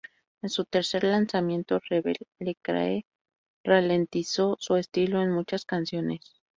En su tercer lanzamiento, "Rebel", Lecrae ralentizó su estilo en muchas canciones.